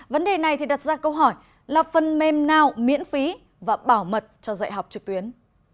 vấn đề này đặt ra câu hỏi là phần mềm nào miễn phí và bảo mật cho dạy học trực tuyến